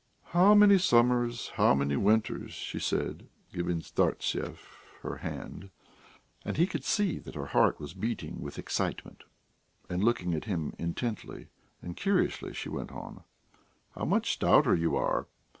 "How many summers, how many winters!" she said, giving Startsev her hand, and he could see that her heart was beating with excitement; and looking at him intently and curiously, she went on: "How much stouter you are!